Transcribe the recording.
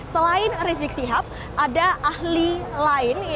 selain risik sihab ada ahli lainnya